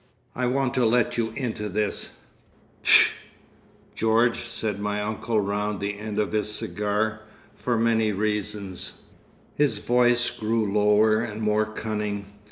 "I want to let you into this"—puff—"George," said my uncle round the end of his cigar. "For many reasons." His voice grew lower and more cunning.